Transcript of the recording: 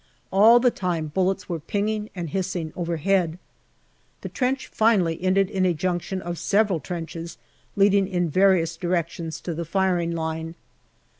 All the time bullets were pinging and hissing overhead. The trench finally ended in a junction of several trenches leading in various directions to the firing line.